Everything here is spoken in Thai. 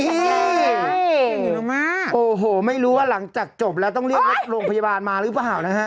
โอ้โหไม่รู้ว่าหลังจากจบแล้วต้องเรียกรถโรงพยาบาลมาหรือเปล่านะฮะ